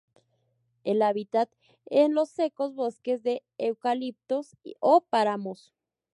El hábitat es los secos bosques de eucaliptos o páramos.